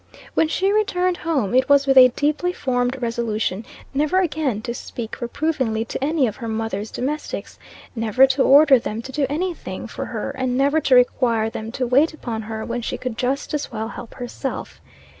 When she returned home, it was with a deeply formed resolution never again to speak reprovingly to any of her mother's domestics never to order them to do any thing for her, and never to require them to wait upon her when she could just as well help herself.